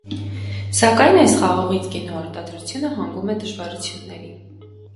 Սակայն այս խաղողից գինու արտադրությունը հանգում է դժվարությունների։